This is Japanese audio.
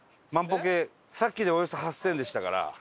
さっきでおよそ８０００でしたから。